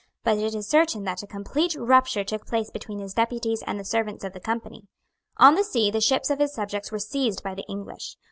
But it is certain that a complete rupture took place between his deputies and the servants of the Company. On the sea the ships of his subjects were seized by the English.